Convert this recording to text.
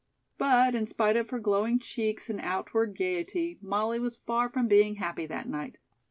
But, in spite of her glowing cheeks and outward gaiety, Molly was far from being happy that night.